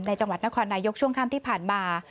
จังหวัดนครนายกช่วงค่ำที่ผ่านมา